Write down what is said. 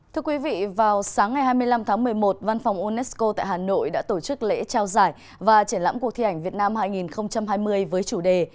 thưa quý vị vào sáng ngày hai mươi năm tháng một mươi một văn phòng unesco tại hà nội đã tổ chức lễ trao giải và triển lãm cuộc thi ảnh việt nam hai nghìn hai mươi với chủ đề